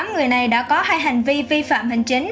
một mươi tám người này đã có hai hành vi vi phạm hành chính